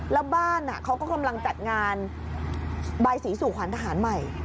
แล้วบ้านเขาก็กำลังจัดงานบายสีสู่ขวัญทหารใหม่